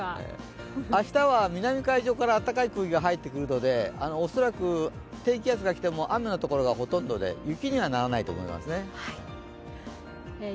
明日は南海上から暖かい空気が入ってくるので恐らく低気圧がきても雨の所がほとんどで雪にはならないと思います。